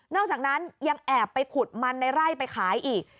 อกจากนั้นยังแอบไปขุดมันในไร่ไปขายอีก